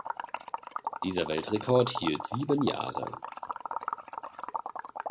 Dieser Weltrekord hielt sieben Jahre.